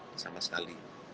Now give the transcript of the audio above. belum terdampak sama sekali